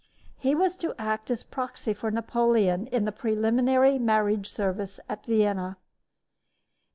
He was to act as proxy for Napoleon in the preliminary marriage service at Vienna.